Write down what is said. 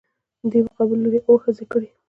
دې مقابل لورى اووه ښځې راکړي.